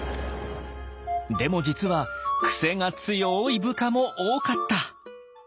でも実はクセが強い部下も多かった。